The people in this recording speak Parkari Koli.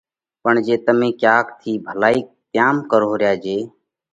پڻ جي تمي ڪياڪ ٿِي ڀلائِي تيام ڪروه ريا جي